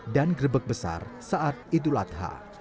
dan grebek besar saat idul adha